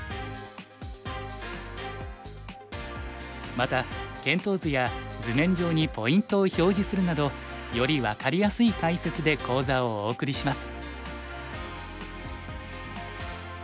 また検討図や図面上にポイントを表示するなどより分かりやすい解説で講座をお送りします。